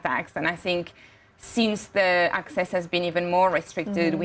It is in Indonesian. dan saya pikir sejak akses tersebut lebih terbatas